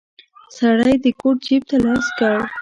سړی د کوټ جيب ته لاس کړ.